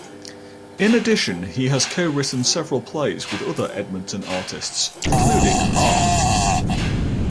In addition, he has co-written several plays with other Edmonton artists, including Ha!